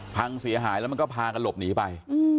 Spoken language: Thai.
พังเสียหายแล้วมันก็พากันหลบหนีไป